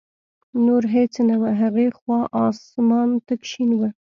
نور هېڅ نه و، هغې خوا اسمان تک شین و.